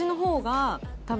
多分。